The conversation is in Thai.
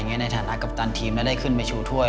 ในฐานะกัปตันทีมไม่ได้ขึ้นไปชูถ้วย